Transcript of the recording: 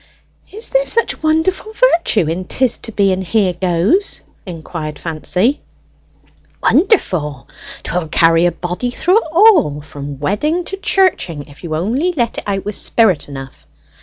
'" "Is there such wonderful virtue in ''Tis to be, and here goes!'" inquired Fancy. "Wonderful! 'Twill carry a body through it all from wedding to churching, if you only let it out with spirit enough."